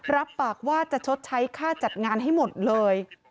รับปากว่าจะชดใช้ค่าจัดงานให้หมดเลย